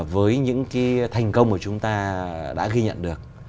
với những cái thành công mà chúng ta đã ghi nhận được